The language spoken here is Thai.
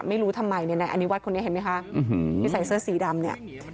ไม่รู้ทำไมเนี่ยอันนี้วัดคนนี้เห็นมั้ยคะที่ใส่เสื้อสีดำเนี่ย